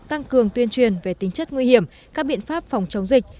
tăng cường tuyên truyền về tính chất nguy hiểm các biện pháp phòng chống dịch